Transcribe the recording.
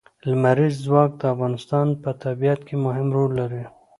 لمریز ځواک د افغانستان په طبیعت کې مهم رول لري.